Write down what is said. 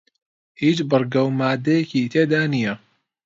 هیچ بڕگە و ماددەیەکی تێدا نییە